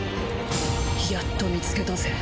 やっと見つけたぜ。